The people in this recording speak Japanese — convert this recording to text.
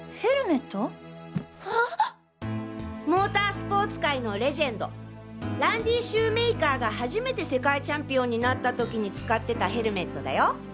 モータースポーツ界のレジェンドランディ・シューメイカーが初めて世界チャンピオンになった時に使ってたヘルメットだよ。